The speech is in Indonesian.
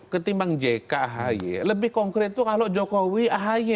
ketimbang jk ahy lebih konkret itu kalau jokowi ahy